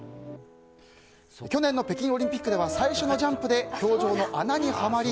去年の北京オリンピックでは最初のジャンプで氷上の穴にはまり